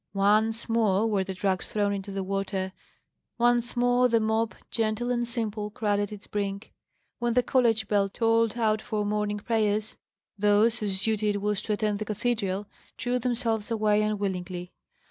Once more were the drags thrown into the water. Once more the mob, gentle and simple, crowded its brink. When the college bell tolled out for morning prayers, those, whose duty it was to attend the cathedral, drew themselves away unwillingly.